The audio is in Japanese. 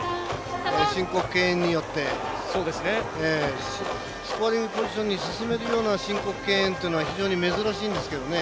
申告敬遠によってスコアリングポジションに進めるような申告敬遠というのは非常に珍しいんですけどね。